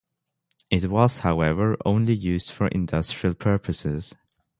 It was however only used for industrial purposes.